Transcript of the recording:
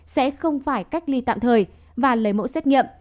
sẽ không phải cách ly tạm thời và lấy mẫu xét nghiệm